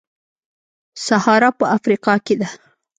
سهارا په افریقا کې ده.